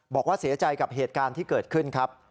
บอกว่าเสียใจกับเหตุการณ์ที่เกิดขึ้นครับ